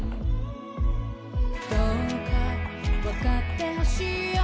「どうか分かって欲しいよ」